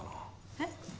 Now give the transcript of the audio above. えっ？